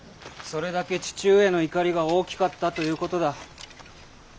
それだけ父上の怒りが大きかったということだ。